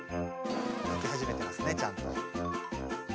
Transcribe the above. かきはじめてますねちゃんと。